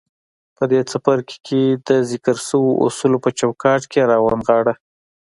په دې څپرکي کې د ذکر شويو اصولو په چوکاټ کې يې رانغاړو.